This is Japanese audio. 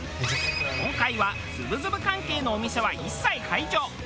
今回はズブズブ関係のお店は一切排除。